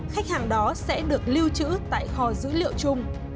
khách hàng đó sẽ được lưu trữ tại kho dữ liệu chung